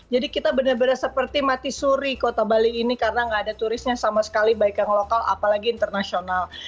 jadi kita benar benar seperti mati suri kota bali ini karena gak ada turisnya sama sekali baik yang lokal apalagi internasional